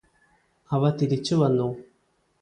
അവ തിരിച്ചു വന്നു